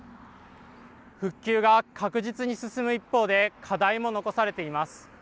復旧が確実に進む一方で、課題も残されています。